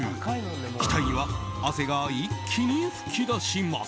額には汗が一気に噴き出します。